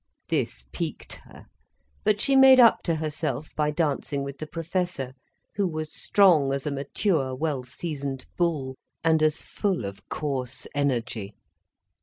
This piqued her, but she made up to herself by dancing with the Professor, who was strong as a mature, well seasoned bull, and as full of coarse energy.